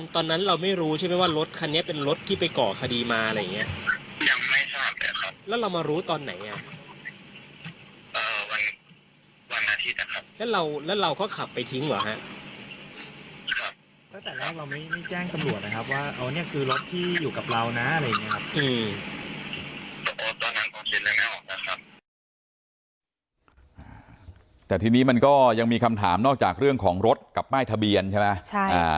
แต่ทีนี้มันก็ยังมีคำถามนอกจากเรื่องของรถกับป้ายทะเบียนใช่ไหม